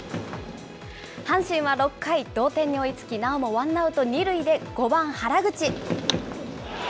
阪神は６回、同点に追いつき、なおもワンアウト２塁で５番原口。